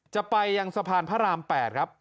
จะไปยังสะพานพระราม๘ครับ